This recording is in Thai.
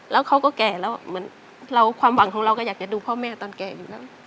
แล้วเขาก็แก่แล้วเหมือนเราความหวังของเราก็อยากจะดูพ่อแม่ตอนแก่อยู่แล้ว